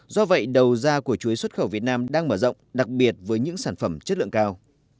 do vậy đầu ra của chuối xuất khẩu việt nam đang mở rộng đặc biệt với những sản phẩm chất lượng cao